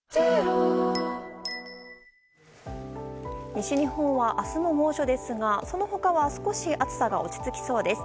西日本は明日も猛暑ですがその他は少し暑さが落ち着きそうです。